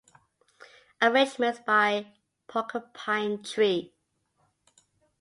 Arrangements by Porcupine Tree.